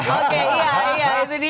oke iya iya itu dia